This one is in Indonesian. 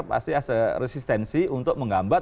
pasti ada resistensi untuk menggambar